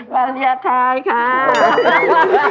วาเลนไทยครับ